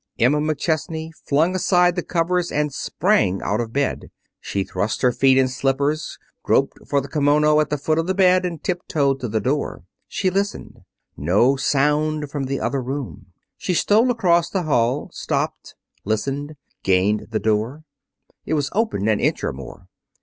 Emma McChesney flung aside the covers and sprang out of bed. She thrust her feet in slippers, groped for the kimono at the foot of the bed and tiptoed to the door. She listened. No sound from the other room. She stole across the hall, stopped, listened, gained the door. It was open an inch or more.